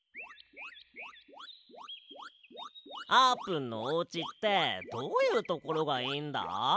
あーぷんのおうちってどういうところがいいんだ？